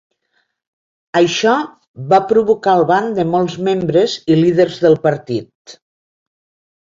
Això va provocar el ban de molts membres i líders del partit.